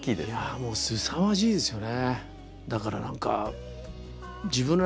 もうすさまじいですよね。